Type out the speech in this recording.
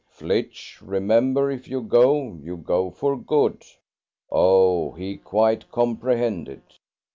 Flitch! remember, if you go you go for good. Oh, he quite comprehended.